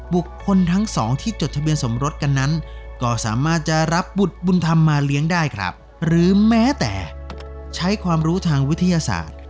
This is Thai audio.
บุตรบุญธรรมมาเลี้ยงได้ครับหรือแม้แต่ใช้ความรู้ทางวิทยาศาสตร์